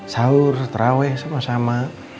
saur terawih sama sama